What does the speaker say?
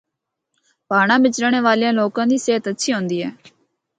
پہاڑاں بچ رہنڑا والے لوگاں دی صحت اچھی ہوندی ہے۔